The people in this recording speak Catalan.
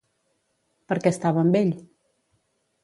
Per què estava amb ell?